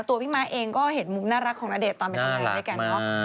ตัวพี่ม้าเองก็เห็นมุมน่ารักของณเดชน์ตอนเป็นคนใหม่ด้วยกัน